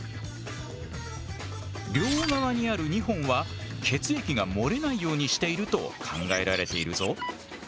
両側にある２本は血液が漏れないようにしていると考えられているぞ。